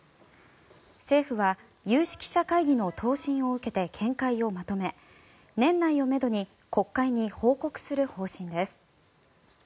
政府は有識者会議の答申を受けて見解をまとめ年内をめどに国会に報告する方針です。